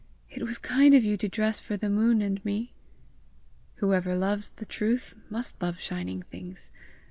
It was kind of you to dress for the moon and me!" "Whoever loves the truth must love shining things!